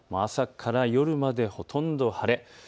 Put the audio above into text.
朝から夜まで、ほとんど晴れ。